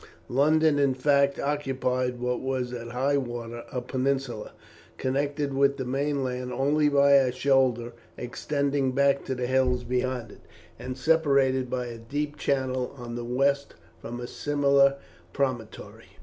London, in fact, occupied what was at high water a peninsula, connected with the mainland only by a shoulder extending back to the hills beyond it, and separated by a deep channel on the west from a similar promontory.